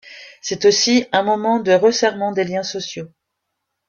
C'est aussi un moment de resserrement des liens sociaux.